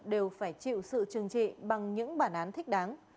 đều phải chịu sự trừng trị bằng những bản án thích đáng